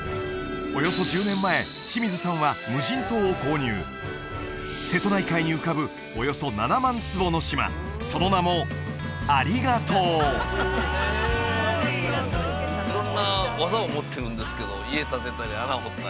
およそ１０年前清水さんは瀬戸内海に浮かぶおよそ７万坪の島その名もありが島清水さん